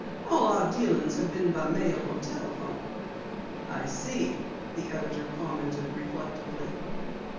"All our dealings have been by mail or telephone." "I see," the editor commented reflectively.